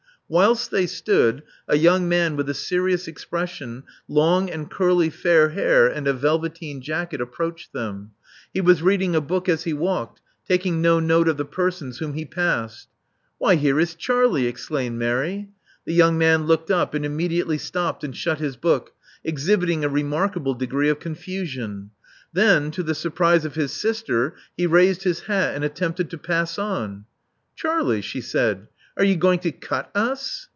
Whilst they stood, a young man with a serious expression, long and curly fair hair, and a velveteen jacket, approached them. He was reading a book as he walked, taking no note of the persons whom he passed. Why, here is Charlie," exclaimed Mary. The young man looked up, and immediately stopped and shut his book, exhibiting a remarkable degree of con fusion. Then, to the surprise of his sister, he raised his hat, and attempted to pass on. Charlie," she said: are you going to cut us?"